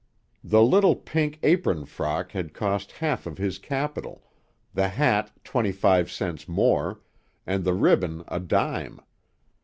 The little pink apron frock had cost half of his capital, the hat twenty five cents more, and the ribbon a dime.